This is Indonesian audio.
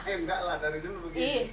ya nggak lah dari dulu begini